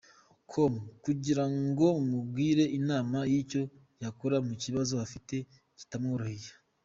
com kugira ngo mumugire inama y’icyo yakora mu kibazo afite kitamworoheye.